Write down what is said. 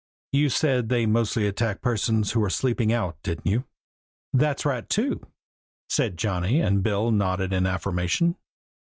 "You said they mostly attack persons who are sleeping out, didn't you?" "That's right, too," said Johnny, and Bill nodded in affirmation.